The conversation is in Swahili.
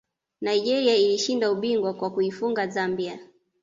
nigeria ilishinda ubingwa kwa kuifunga zambia